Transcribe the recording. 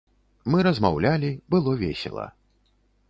Мы размаўлялі, было весела.